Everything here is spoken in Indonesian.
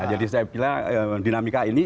jadi saya pikirlah dinamika ini